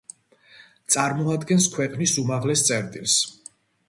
წარმოადგენს ქვეყნის უმაღლეს წერტილს.